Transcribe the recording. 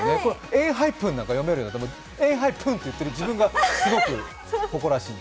エンハイプンなんか読めるなんて、エンハイプンなんて言ってる自分がすごく誇らしい。